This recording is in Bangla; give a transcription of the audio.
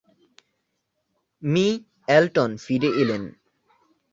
মি. এলটন ফিরে এলেন।